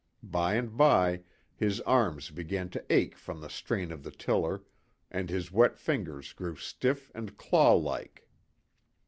By and by, his arms began to ache from the strain of the tiller, and his wet fingers grew stiff and claw like.